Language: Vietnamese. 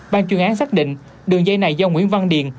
ban chuyên án xác định đường dây này do nguyễn văn điền